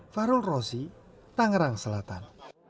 farul rozi tanggerang selatan